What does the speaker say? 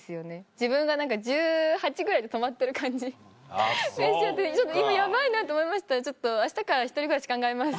自分が何か１８歳ぐらいで止まってる感じがしちゃって今ヤバいなと思いました明日から１人暮らし考えます。